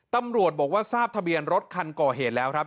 ตำรวจบอกว่าทราบทะเบียนรถคันก่อเหตุแล้วครับ